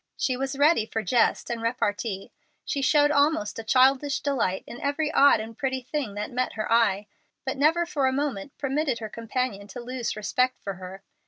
She was ready for jest and repartee. She showed almost a childish delight in every odd and pretty thing that met her eye, but never for a moment permitted her companion to lose respect for her.